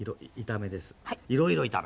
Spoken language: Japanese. いろいろ炒め。